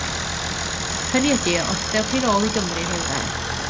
Hynny ydi os ddewch chi nôl i Gymru rhyw ben.